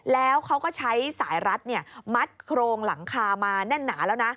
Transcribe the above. แล้วเขาก็ใช้สายรัดมัดโครงหลังคามาแน่นหนาแล้วนะ